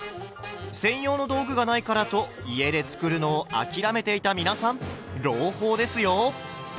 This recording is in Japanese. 専用の道具がないからと家で作るのを諦めていた皆さん朗報ですよ！